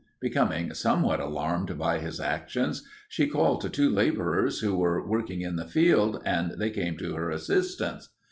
Becoming somewhat alarmed by his actions, she called to two laborers who were working in the field, and they came to her assistance.